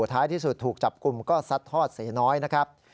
ท้ายที่สุดถูกจับกลุ่มก็ซัดทอดเสน้อยนะครับ